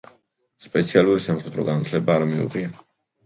სპეციალური სამხატვრო განათლება არ მიუღია.